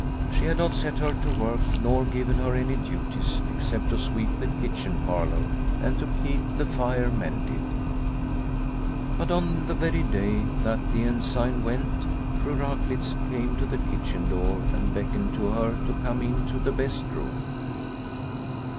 She had not set her to work nor given her any duties except to sweep the kitchen parlour and to keep the fire mended. But on the very day that the Ensign went, Fru Raklitz came to the kitchen door and beckoned to her to come into the best room.